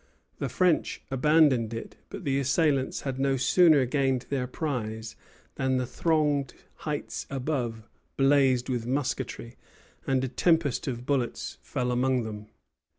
The French abandoned it; but the assailants had no sooner gained their prize than the thronged heights above blazed with musketry, and a tempest of bullets fell among them.